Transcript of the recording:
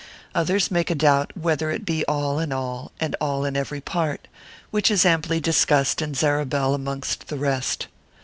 Others make a doubt whether it be all in all, and all in every part; which is amply discussed in Zabarel amongst the rest.